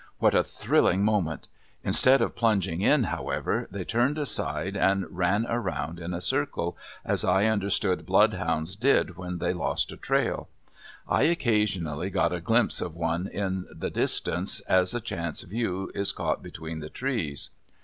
What a thrilling moment! Instead of plunging in, however, they turned aside and ran around in a circle, as I understood blood hounds did when they lost a trail. I occasionally got a glimpse of one in the distance as a chance view is caught between the trees.